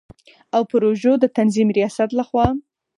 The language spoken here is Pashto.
او پروژو د تنظیم ریاست له خوا